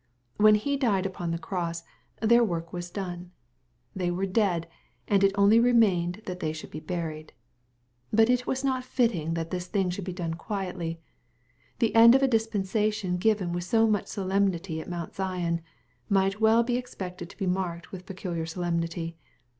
When He died upon the cross, their work was done. ^Q^hey were dead, and it only remained that they should be buried/ — But it was not fitting that this thing should be done quietly. The ending of a dispensation given with so much solemnity at Mount Sinai, might well be expected to be marked with peculiar solemnity.